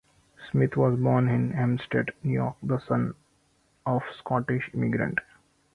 Smith was born in Hempstead, New York, the son of Scottish immigrants.